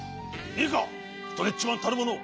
いいかストレッチマンたるもの